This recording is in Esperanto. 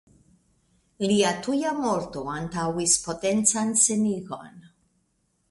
Lia tuja morto antaŭis potencan senigon.